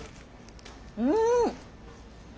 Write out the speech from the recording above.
うん！